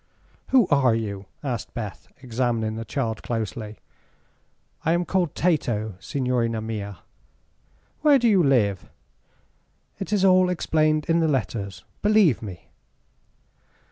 "Who are you?" asked Beth, examining the child closely. "I am called Tato, signorina mia." "Where do you live?" "It is all explained in the letters, believe me."